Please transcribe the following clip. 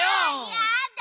やだ